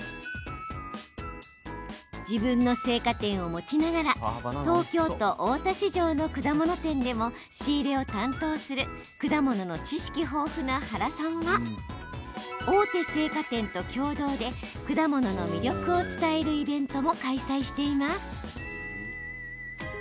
自分の青果店を持ちながら東京都大田市場の果物店でも仕入れを担当する果物の知識豊富な原さんは大手青果店と共同で果物の魅力を伝えるイベントも開催しています。